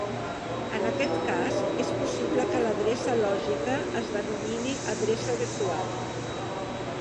En aquest cas, és possible que l'adreça lògica es denomini adreça virtual.